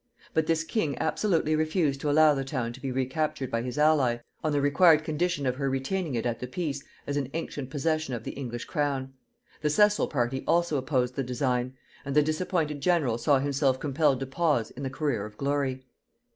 But this king absolutely refused to allow the town to be recaptured by his ally, on the required condition of her retaining it at the peace as an ancient possession of the English crown; the Cecil party also opposed the design; and the disappointed general saw himself compelled to pause in the career of glory.